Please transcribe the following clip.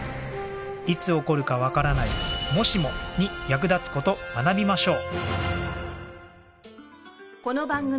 いつ起こるかわからない「もしも」に役立つ事学びましょう。